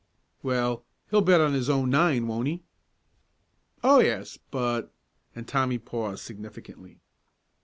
"Well, he'll bet on his own nine; won't he?" "Oh, yes but " and Tommy paused significantly.